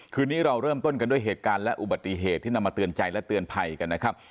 คืนนี้เราเริ่มต้นกันด้วยเหตุการณ์และอุบัติเหตุที่นำมาเตือนใจและเตือนภัยกันนะครับ